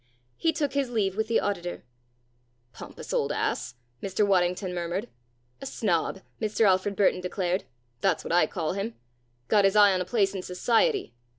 He took his leave with the auditor. "Pompous old ass!" Mr. Waddington murmured. "A snob!" Mr. Alfred Burton declared, "that's what I call him! Got his eye on a place in Society.